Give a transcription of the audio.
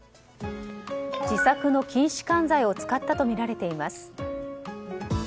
自作の筋弛緩剤を使ったとみられています。